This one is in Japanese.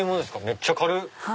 めっちゃ軽っ！